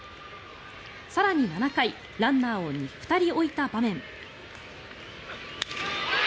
更に７回ランナーを２人置いた場面。